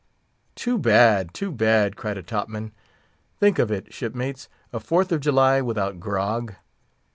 "Too bad—too bad!" cried a top man, "Think of it, shipmates—a Fourth of July without grog!"